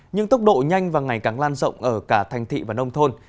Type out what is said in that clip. nhưng tốc độ nhanh và ngày càng lan rộng ở cả thành thị và nông thôn